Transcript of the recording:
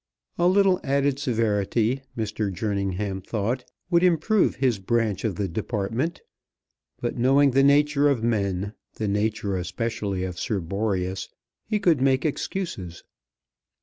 A little added severity, Mr. Jerningham thought, would improve his branch of the department, but, knowing the nature of men, the nature especially of Sir Boreas, he could make excuses.